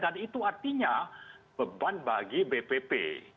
dan itu artinya beban bagi bpp